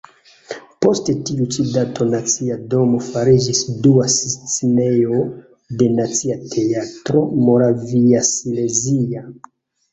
Post tiu ĉi dato Nacia domo fariĝis dua scenejo de Nacia teatro moraviasilezia.